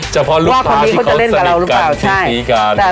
เฉพาะลูกภาพที่เขาจะเล่นกับเรารูปเขากันใช่แล้ว